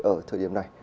ở thời điểm này